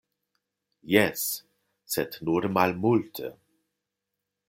Jes, sed nur malmulte.